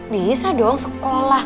bisa dong sekolah